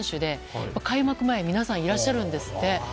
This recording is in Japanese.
やっぱり開幕前に皆さん、いらっしゃるんですって。